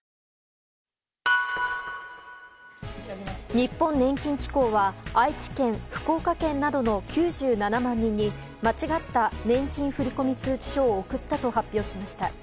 日本年金機構は愛知県、福岡県などの９７万人に間違った年金振込通知書を送ったと発表しました。